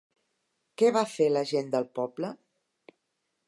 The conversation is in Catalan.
Què va fer la gent del poble?